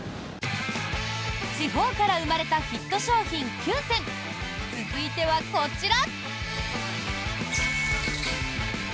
地方から生まれたヒット商品９選続いてはこちら。